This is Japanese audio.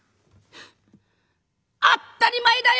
「当ったり前だよ！